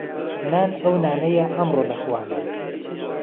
نان ئهو نانهیه ئهمڕۆ لهخوانه